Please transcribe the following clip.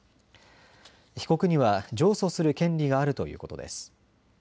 被告には上訴する権利があるということです。